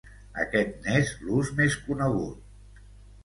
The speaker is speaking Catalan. Aquest n'és l'ús més conegut.